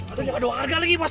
aduh gak ada orang harga lagi bos